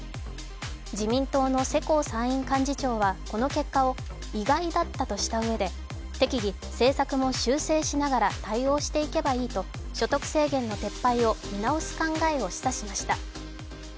自民党の世耕参院幹事長は、この結果を意外だったとしたうえで、適宜政策も修正しながら対応していけばいいと、所得制限の撤廃を見直す考えを示唆しました。